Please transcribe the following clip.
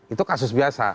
itu kasus biasa